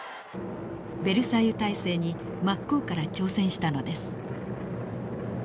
ベルサイユ体制に真っ向から挑戦したのです。